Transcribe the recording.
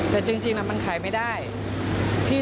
แต่จริงมันขายไม่ได้